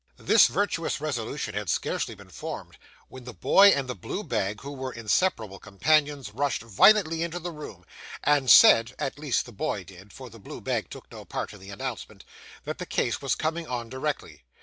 This virtuous resolution had scarcely been formed, when the boy and the blue bag, who were inseparable companions, rushed violently into the room, and said (at least the boy did, for the blue bag took no part in the announcement) that the case was coming on directly.